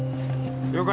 了解。